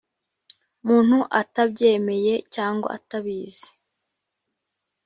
muntu atabyemeye cyangwa atabizi